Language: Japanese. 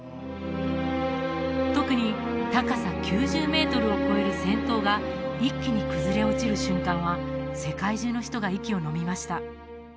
特に高さ９０メートルを超える尖塔が一気に崩れ落ちる瞬間は世界中の人が息をのみました